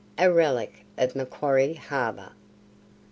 A RELIC OF MACQUARIE HARBOUR.